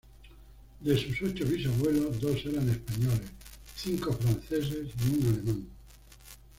De sus ocho bisabuelos, dos eran españoles, cinco franceses y uno alemán.